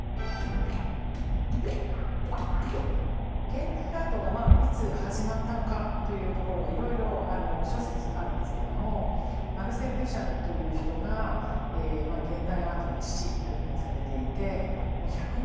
現代アートがいつ始まったのかというところはいろいろ諸説あるんですけれどもマルセル・デュシャンという人が現代アートの父というふうにされていてもう１００年